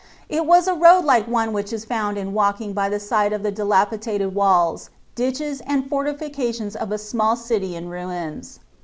It was a road like one which is found in walking by the side of the dilapidated walls, ditches, and fortifications of a small city in ruins.